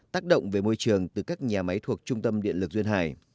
tác động về môi trường từ các nhà máy thuộc trung tâm điện lực duyên hải